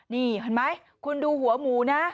นี่เห็นไหมคุณดูหัวหมูนะ